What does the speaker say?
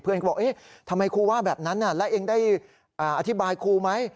เขาบอกเอ๊ะทำไมครูว่าแบบนั้นและเองได้อธิบายครูไหม